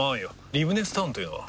リブネスタウンというのは？